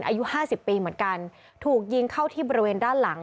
อายุห้าสิบปีเหมือนกันถูกยิงเข้าที่บริเวณด้านหลัง